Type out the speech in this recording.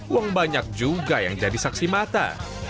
uang banyak juga yang jadi saksi mata